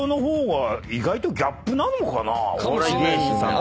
お笑い芸人さんって。